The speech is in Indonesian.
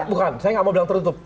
bukan saya nggak mau bilang tertutup